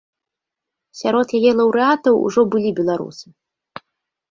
Сярод яе лаўрэатаў ужо былі беларусы.